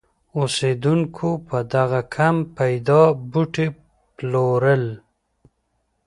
اوسېدونکو به دغه کم پیدا بوټي پلورل.